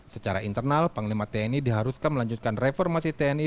secara internal panglima tni diharuskan melanjutkan reformasi tni